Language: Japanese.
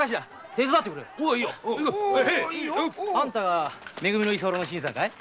手伝ってくれよ！あんたが「め組」の居候の新さんかい？